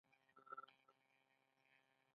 نوې وینه نوی ژوند راولي